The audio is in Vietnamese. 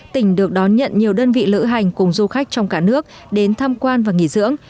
tỉnh được đón nhận nhiều đơn vị lữ hành cùng du khách trong cả nước đến tham quan và nghỉ dưỡng